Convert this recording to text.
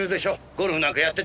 ゴルフなんかやってていいの？